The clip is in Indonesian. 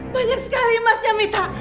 banyak sekali emasnya mita